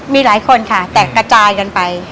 มีหลายคนค่ะแต่กระจายกันไป